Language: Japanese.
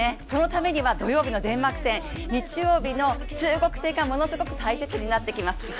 そのためには土曜日のデンマーク戦日曜日の中国戦がものすごく大切になってきます。